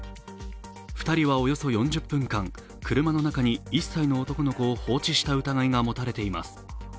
２人はおよそ４０分間、車の中に１歳の男の子を放置した疑いが持たれています。